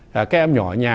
các em nhỏ ở nhà